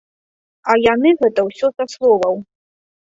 А яны гэта ўсё са словаў.